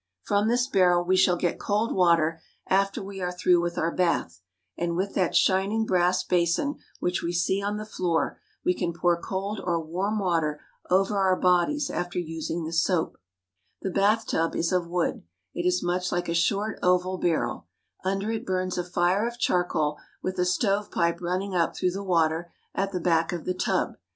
From this barrel we shall get cold water after we are through with our bath ; and with that shining brass basin which we see on the floor, we can pour cold or warm water over our bodies after using the soap. The bathtub is of wood. It is much like a short, oval barrel. Under it burns a fire of charcoal with a stovepipe running up through the water at the back of the tub, this HOME LIFE 53 Each has his own table."